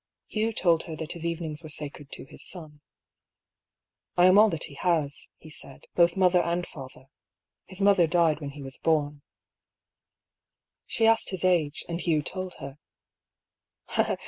Hugh told her that his evenings were sacred to his son. " I am all that he has," he said, " both mother and father. His mother died when he was born." MERCEDES. 209 She asked his age, and Hugh told her.